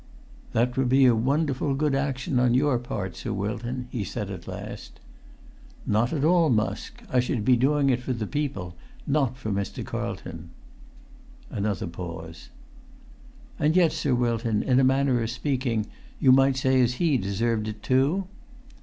"That would be a wonderful good action on your part, Sir Wilton," he said at last. [Pg 344]"Not at all, Musk. I should be doing it for the people, not for Mr. Carlton." Another pause. "And yet, Sir Wilton, in a manner o' speaking, you might say as he deserved it, too?"